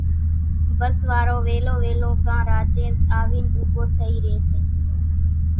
ڀس وارو وِيلو وِيلو ڪان راچينز آوينَ اُوڀو ٿئِي ريئيَ سي۔